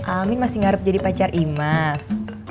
amin masih ngarep jadi pacar imas